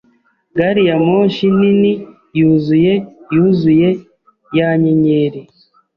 Gariyamoshi nini yuzuye yuzuye ya nyenyeri